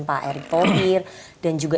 pak erick thohir dan juga